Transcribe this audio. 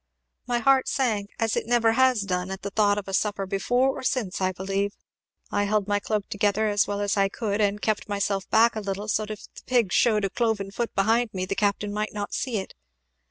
My heart sank as it never has done at the thought of a supper before or since, I believe! I held my cloak together as well as I could, and kept myself back a little, so that if the pig shewed a cloven foot behind me, the captain might not see it.